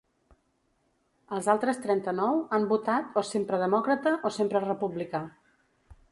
Els altres trenta-nou han votat o sempre demòcrata o sempre republicà.